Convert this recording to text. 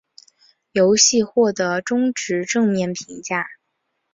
游戏获得中至正面评价。